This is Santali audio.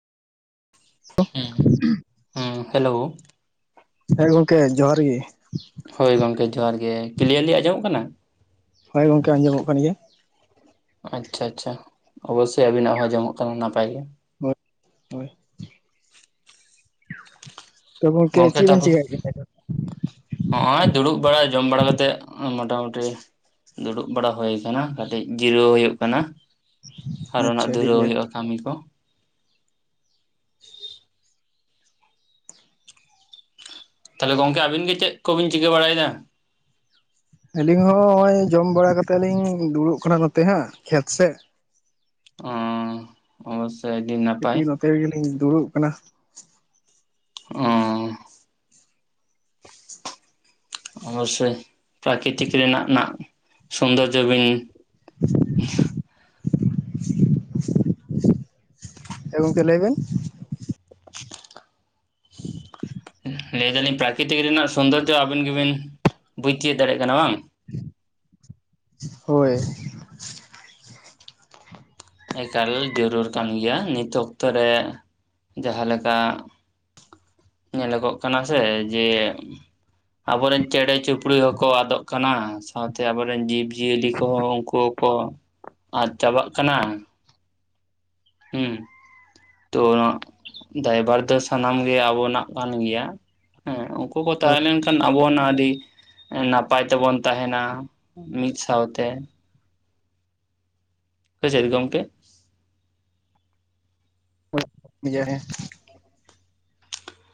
ᱦᱮᱸ ᱦᱮᱸ ᱦᱮᱞᱳ [inaudible] ᱦᱮᱸ ᱜᱚᱝᱠᱮ ᱡᱚᱦᱟᱨ ᱜᱮ᱾ ᱦᱳᱭ ᱜᱚᱝᱠᱮ ᱡᱚᱦᱟᱨ ᱜᱮ, ᱠᱞᱤᱭᱟᱨᱞᱤ ᱟᱸᱡᱚᱢᱚᱜ ᱠᱟᱱᱟ? ᱦᱚᱭ ᱜᱚᱝᱠᱮ ᱟᱸᱡᱚᱢᱚᱜ ᱠᱟᱱ ᱜᱮᱭᱟ᱾ ᱟᱪᱪᱷᱟ ᱪᱷᱟ ᱚᱵᱳᱥᱥᱳᱭ ᱟᱵᱤᱱᱟᱜ ᱦᱚᱸ ᱟᱸᱡᱚᱢᱚᱜ ᱠᱟᱱᱟ ᱱᱟᱯᱟᱭ ᱜᱮ᱾ [inaudible] ᱦᱳᱭ᱾ ᱛᱚ ᱜᱚᱝᱠᱮ ᱪᱮᱫ ᱵᱮᱱ ᱛᱟᱯᱚᱨ ᱪᱮᱠᱟᱭᱮᱫ ᱠᱟᱱᱟ ᱦᱚᱸᱜᱼᱚᱭ ᱫᱩᱲᱩᱵ ᱵᱟᱲᱟᱣᱭ ᱡᱚᱢ ᱵᱟᱲᱟ ᱠᱟᱛᱮᱜ ᱢᱚᱴᱟᱢᱩᱴᱤ ᱫᱩᱲᱩᱵ ᱵᱟᱲᱟ ᱦᱳᱣ ᱠᱟᱱᱟ ᱠᱟᱴᱤᱡ ᱡᱤᱨᱟᱹᱣ ᱦᱩᱣᱩᱜ ᱠᱟᱱᱟ, ᱟᱨᱚ ᱱᱟᱜ ᱟᱪᱪᱷᱟ ᱟᱹᱰᱤ ᱫᱷᱩᱨᱟᱣ ᱵᱮᱥ ᱦᱩᱭᱩᱜ-ᱟ ᱠᱟᱹᱢᱤ ᱠᱚ᱾ ᱛᱟᱞᱦᱮ ᱜᱚᱝᱠᱮ ᱟᱵᱤᱱ ᱜᱮ ᱪᱮᱫ ᱠᱚᱵᱤᱱ ᱪᱤᱠᱟᱹ ᱵᱟᱲᱟᱭ ᱫᱟ? ᱟᱹᱞᱤᱧ ᱦᱚᱸ ᱦᱚᱸᱜᱼᱚᱭ ᱡᱚᱢ ᱵᱟᱲᱟ ᱠᱟᱛᱮᱜ ᱞᱤᱧ ᱫᱩᱲᱩᱵ ᱠᱟᱱᱟ ᱱᱚᱛᱮ ᱦᱟᱸᱜ ᱠᱷᱮᱛ ᱥᱮᱫ᱾ ᱚ ᱚᱵᱚᱥᱥᱳᱭ ᱟᱰᱤ ᱱᱟᱯᱟᱭ᱾ ᱨᱮᱜᱮ ᱞᱤᱧ ᱫᱩᱲᱩᱵ ᱠᱟᱱᱟ᱾ ᱚ᱾ ᱚᱵᱚᱥᱥᱳᱭ ᱯᱨᱟᱠᱨᱤᱛᱤᱠ ᱨᱮᱱᱟᱜ ᱱᱟᱜ ᱥᱚᱱᱫᱳᱨᱡᱚ ᱵᱤᱱ [inaudible] ᱦᱮᱸ ᱜᱚᱝᱠᱮ ᱞᱟᱹᱭ ᱵᱮᱱ᱾ [inaudible] ᱞᱟᱹᱭ ᱫᱟᱞᱤᱧ ᱯᱨᱟᱠᱨᱤᱛᱤᱠ ᱨᱮᱱᱟᱜ ᱥᱚᱱᱫᱳᱨᱡᱚ ᱟᱵᱤᱱ ᱜᱮᱵᱤᱱ ᱵᱩᱡᱽ ᱛᱤᱣᱟᱹᱜ ᱫᱟᱲᱮᱜ ᱠᱟᱱᱟ ᱵᱟᱝ? ᱦᱳᱭ᱾ ᱮᱠᱟᱞ ᱡᱚᱨᱩᱨ ᱠᱟᱱ ᱜᱮᱭᱟ, ᱱᱤᱛ ᱚᱠᱛᱚ ᱨᱮ ᱡᱟᱦᱟᱸ ᱞᱮᱠᱟ ᱧᱮᱞᱚᱜᱚᱜ ᱠᱟᱱᱟ ᱥᱮ ᱡᱮ ᱟᱵᱚᱨᱮᱱ ᱪᱮᱬᱮ ᱪᱩᱯᱲᱤ ᱦᱚᱸᱠᱚ ᱟᱫᱚᱜ ᱠᱟᱱᱟ᱾ ᱚᱱᱛᱮ ᱟᱵᱚᱨᱮᱱ ᱡᱤᱵᱽ ᱡᱤᱭᱟᱹᱞᱤ ᱠᱚᱦᱚᱸ ᱩᱱᱠᱩ ᱦᱚᱸᱠᱚ ᱟᱫ ᱪᱟᱵᱟᱜ ᱠᱟᱱᱟ᱾ ᱦᱩᱸ [inaudible] ᱛᱚ ᱱᱟᱜ ᱫᱟᱭᱵᱷᱟᱨ ᱫᱚ ᱥᱟᱱᱟᱢ ᱜᱮ ᱟᱵᱚᱱᱟᱜ ᱠᱟᱱ ᱜᱮᱭᱟ, ᱦᱮᱸ᱾ ᱩᱱᱠᱩ ᱠᱚ ᱦᱳᱭ ᱛᱟᱦᱮᱸ ᱞᱮᱱᱠᱷᱟᱱ ᱟᱵᱚᱱᱟᱜ ᱟᱹᱰᱤ ᱮᱸ ᱱᱟᱯᱟᱭ ᱛᱮᱵᱚᱱ ᱛᱟᱦᱮᱱᱟ ᱢᱤᱫ ᱥᱟᱶᱛᱮ᱾ ᱥᱮ ᱪᱮᱫ ᱜᱚᱝᱠᱮ? [inaudible]